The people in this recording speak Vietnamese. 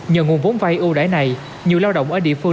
nhờ nguồn vốn vay ưu đãi này nhiều lao động ở địa phương